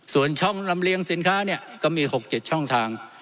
ส่วนช่องลำเลียงสินค้าเนี่ยก็มี๖๗ช่องทาง